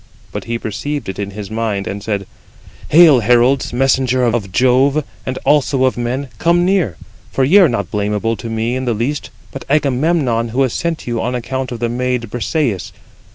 But he perceived [it] in his mind, and said: "Hail, heralds, messengers of Jove, 43 and also of men, come near, for ye are not blamable to me in the least, but Agamemnon, who has sent you on account of the maid Brisëis.